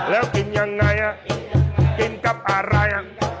แล้วกินยังไงกินกับอะไร